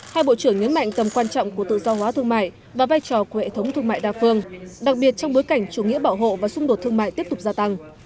hai bộ trưởng nhấn mạnh tầm quan trọng của tự do hóa thương mại và vai trò của hệ thống thương mại đa phương đặc biệt trong bối cảnh chủ nghĩa bảo hộ và xung đột thương mại tiếp tục gia tăng